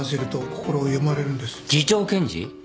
次長検事？